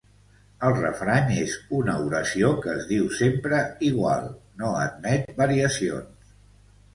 El refrany és una oració que es diu sempre igual, no admet variacions.